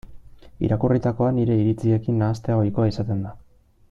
Irakurritakoa nire iritziekin nahastea ohikoa izaten da.